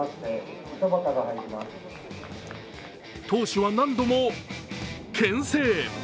投手は何度もけん制。